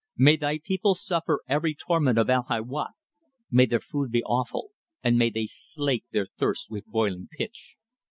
May thy people suffer every torment of Al Hâwiyat; may their food be offal, and may they slake their thirst with boiling pitch.